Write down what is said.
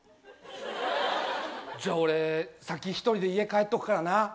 じゃあ俺先１人で家帰っとくからな。